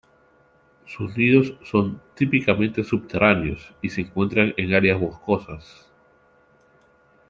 Sus nidos son típicamente subterráneos y se encuentran en áreas boscosas.